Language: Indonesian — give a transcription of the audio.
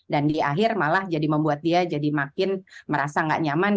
dan di akhir malah jadi membuat dia jadi makin merasa nggak nyaman